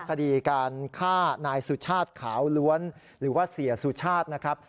คดีการฆ่านายสุชาติขาวล้วนหรือว่าเสียสุชาตินะครับ